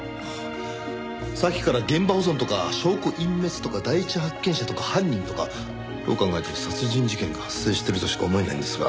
さっきから現場保存とか証拠隠滅とか第一発見者とか犯人とかどう考えても殺人事件が発生してるとしか思えないんですが。